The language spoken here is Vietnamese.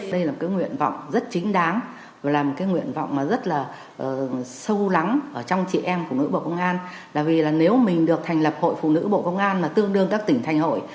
đây là cái nguyện vọng rất chính đáng và là cái nguyện vọng rất là sâu lắng trong chị em của nữ bộ công an là vì nếu mình được thành lập hội phụ nữ bộ công an tương đương các tỉnh thành hội